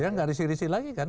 ya nggak risih risih lagi kan